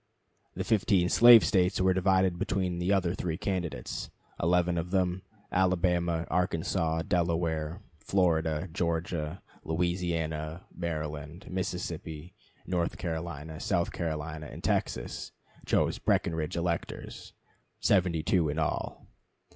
The 15 slave States were divided between the other three candidates. Eleven of them Alabama, Arkansas, Delaware, Florida, Georgia, Louisiana, Maryland, Mississippi, North Carolina, South Carolina, and Texas chose Breckinridge electors, 72 in all.